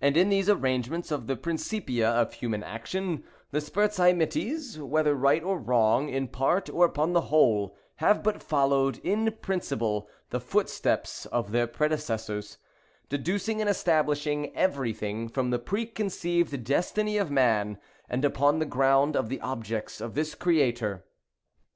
And in these arrangements of the Principia of human action, the Spurzheimites, whether right or wrong, in part, or upon the whole, have but followed, in principle, the footsteps of their predecessors; deducing and establishing every thing from the preconceived destiny of man, and upon the ground of the objects of his Creator.